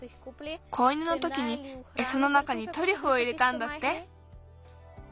子犬のときにエサの中にトリュフを入れたんだって。